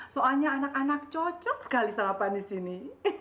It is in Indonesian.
soalnya anak anak cocok sekali sarapan disini